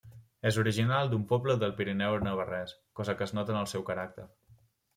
És original d'un poble del Pirineu navarrès, cosa que es nota en el seu caràcter.